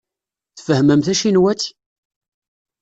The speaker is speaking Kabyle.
Tfehhmem tacinwat?